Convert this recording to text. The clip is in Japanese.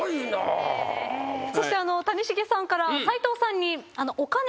そして谷繁さんから斎藤さんに。